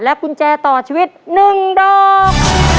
และกุญแจต่อชีวิตหนึ่งดอก